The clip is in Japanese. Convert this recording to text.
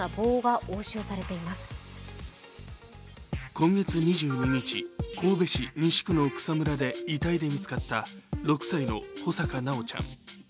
今月２２日、神戸市西区の草むらで遺体で見つかった６歳の穂坂修ちゃん。